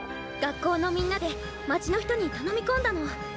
学校のみんなで街の人に頼み込んだの。